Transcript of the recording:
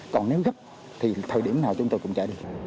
còn nếu gấp thì thời điểm nào chúng tôi cũng chạy đi